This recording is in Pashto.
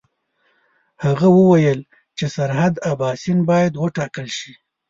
هغه وویل چې سرحد اباسین باید وټاکل شي.